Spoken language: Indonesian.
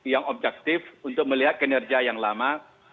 yang objektif untuk melihat kinerja yang lama